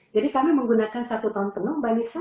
jadi kami menggunakan satu tahun penuh mbak nisa